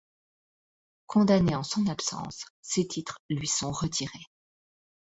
Condamné en son absence, ses titres lui sont retirés.